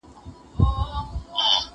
ویل گوره تا مي زوی دئ را وژلی